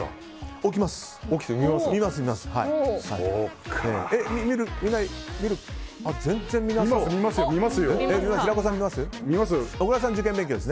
起きます。